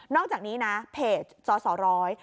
อกจากนี้นะเพจจอสอร้อย